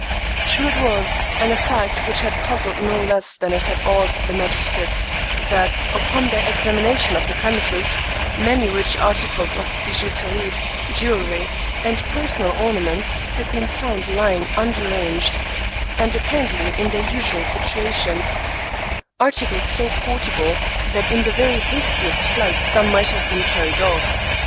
True it was, and a fact which had puzzled no less than it had awed the magistrates, that, upon their examination of the 120 Thomas De Quincey premises, many rich articles of bijouterie, jewelry, and per sonal ornaments, had been found lying underanged, and apparently in their usual situations ; articles so portable that in the very hastiest flight some might have been carried off.